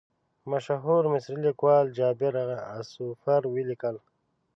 مشهور مصري لیکوال جابر عصفور ولیکل.